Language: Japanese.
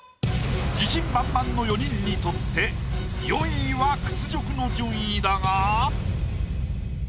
自信満々の四人にとって４位は屈辱の順位だが。